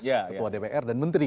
ketua dpr dan menteri